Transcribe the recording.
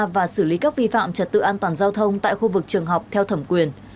và xử lý các vi phạm trật tự an toàn giao thông tại khu vực trường học theo thẩm quyền